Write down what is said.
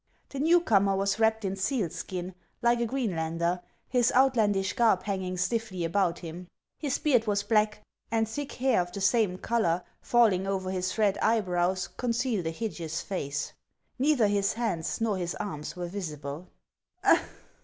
The new comer was wrapped in sealskin, like a Green lander, his outlandish garb hanging stiffly about him. His beard was black ; and thick hair of the same color, falling over his red eyebrows, concealed a hideous face. Neither his hands nor his arms were visible.